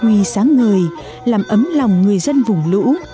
phát huy sáng người làm ấm lòng người dân vùng lũ